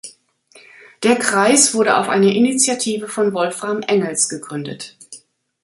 Der Kreis wurde auf eine Initiative von Wolfram Engels gegründet.